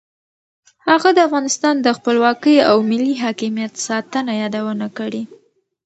هغه د افغانستان د خپلواکۍ او ملي حاکمیت ساتنه یادونه کړې.